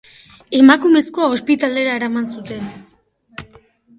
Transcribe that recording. Emakumezkoa ospitalera eraman zuten.